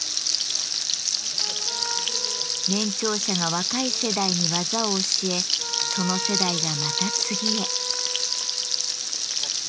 年長者が若い世代に技を教えその世代がまた次へ。